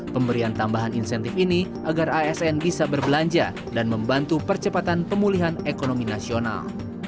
pemberian tambahan insentif ini agar asn bisa berbelanja dan membantu percepatan pemulihan ekonomi nasional